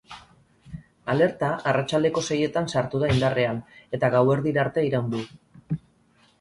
Alerta arratsaldeko seietan sartu da indarrean, eta gauerdira arte iraun du.